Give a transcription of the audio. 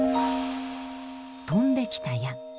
飛んできた矢